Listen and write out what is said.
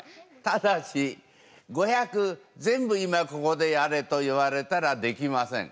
ただし５００全部今ここでやれと言われたらできません。